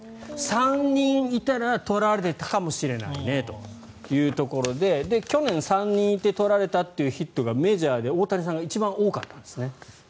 ３人いたら取られてたかもしれないねというところで去年、３人いてとられたというヒットがメジャーで大谷さんが一番多かったんですね。